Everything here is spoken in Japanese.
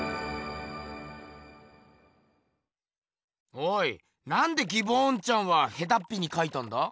おいなんでギボーンちゃんはヘタッピにかいたんだ？